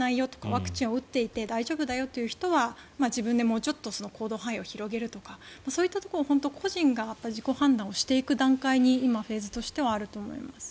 ワクチンを打っていて大丈夫だよという人は自分でもうちょっと行動範囲を広げるとかそういったところを本当に個人が自己判断をしていく段階に今、フェーズとしてはあると思います。